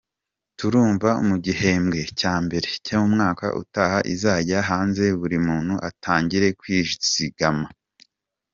Turumva mu gihembwe cya mbere cy’umwaka utaha izajya hanze buri muntu atangire kwizigama.